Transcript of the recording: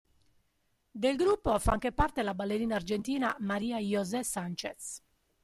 Del gruppo fa anche parte la ballerina argentina María José Sánchez.